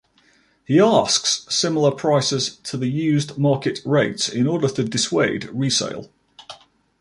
He asks similar prices to the used market rates in order to dissuade resale.